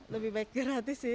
lebih baik gratis sih